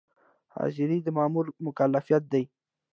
حاضري د مامور مکلفیت دی